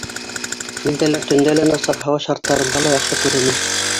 Билдәләр төндә лә, насар һауа шарттарында ла яҡшы күренә.